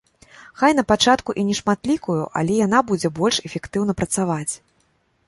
Хай напачатку і нешматлікую, але яна будзе больш эфектыўна працаваць.